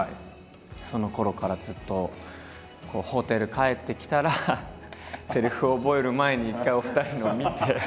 そのころからずっとホテル帰ってきたらセリフを覚える前に一回お二人のを見て。